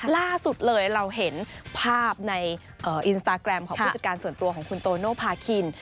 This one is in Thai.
ล่าสุดเลยเราเห็นภาพในอินสตาแกรมของผู้จัดการส่วนตัวของคุณโตโนภาคิน